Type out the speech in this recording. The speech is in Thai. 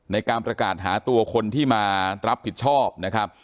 ในการประกาศหาตัวคนที่มารับผิดชอบนะครับ